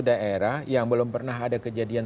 daerah yang belum pernah ada kejadian